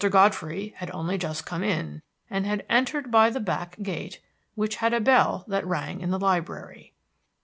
Godfrey had only just come in and had entered by the back gate, which had a bell that rang in the library.